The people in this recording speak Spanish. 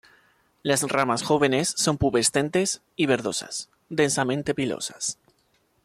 Las ramas jóvenes son pubescentes y verdosas, densamente pilosas.